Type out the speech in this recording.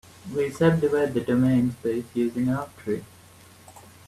We subdivide the domain space using an octree.